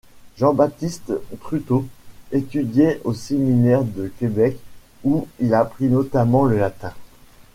Jean-Baptiste Truteau étudia au séminaire de Québec où il apprit notamment le latin.